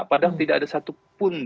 padahal tidak ada satupun